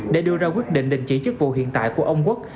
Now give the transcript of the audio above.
để đưa ra quyết định đình chỉ chức vụ hiện tại của ông quốc